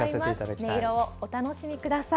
音色をお楽しみください。